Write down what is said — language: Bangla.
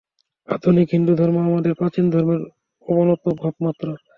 আধুনিক হিন্দুধর্ম আমাদের প্রাচীন ধর্মের অবনত ভাবমাত্র।